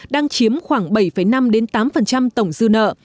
đang chiếm khoảng bảy năm tám tổng dư nợ